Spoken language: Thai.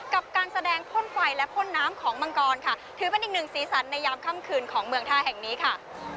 กับการแสดงพ่นไฟและพ่นน้ำของมังกรค่ะถือเป็นอีกหนึ่งสีสันในยามค่ำคืนของเมืองท่าแห่งนี้ค่ะ